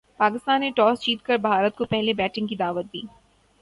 پاکستان نے ٹاس جیت کر بھارت کو پہلے بیٹنگ کی دعوت دی۔